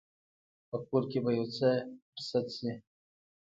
په کور کې به يو څه پرې سد شي.